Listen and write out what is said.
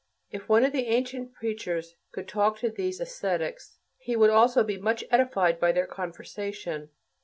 If one of the ancient preachers could talk to these ascetics, he would also be much edified by their conversation.